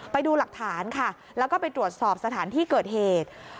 ไปดูหลักฐานค่ะแล้วก็ไปตรวจสอบสถานที่เกิดเหตุ